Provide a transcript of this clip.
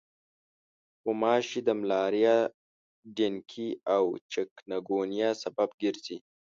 غوماشې د ملاریا، ډنګي او چکنګونیا سبب ګرځي.